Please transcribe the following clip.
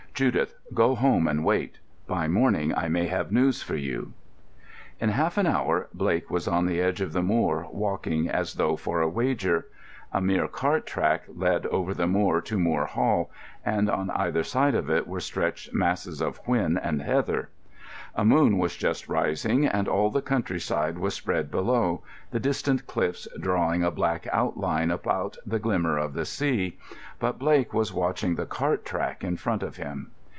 "Judith, go home and wait. By morning I may have news for you." In half an hour Blake was on the edge of the moor, walking as though for a wager. A mere cart track led over the moor to Moor Hall, and on either side of it were stretched masses of whin and heather. A moon was just rising, and all the countryside was spread below, the distant cliffs drawing a black outline about the glimmer of the sea. But Blake was watching the cart track in front of him.